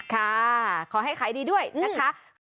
ขอให้ขายดีด้วยนะคะ